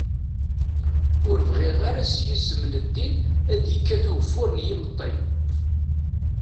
Ur bɣiɣ ara s yisem n ddin ad d-ikkat ugeffur n yimeṭṭi.